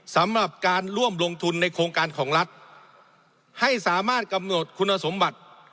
สำหรับการร่วมลงทุนในโครงการของรัฐให้สามารถกำหนดคุณสมบัติ